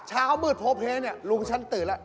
เช้ามืดโทรเภสลุงฉันตื่นแล้ว